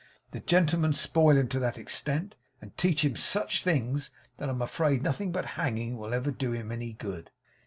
The gentlemen spoil him to that extent, and teach him such things, that I'm afraid nothing but hanging will ever do him any good.